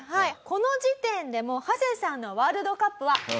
この時点でもうハセさんのワールドカップは終わりました。